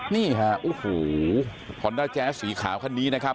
นี่ฮะโอ้โหฮอนด้าแจ๊สสีขาวคันนี้นะครับ